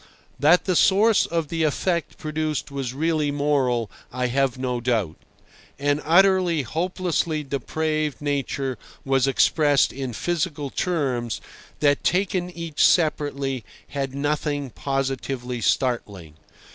That the source of the effect produced was really moral I have no doubt. An utterly, hopelessly depraved nature was expressed in physical terms, that taken each separately had nothing positively startling.